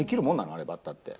あれ、バッターって。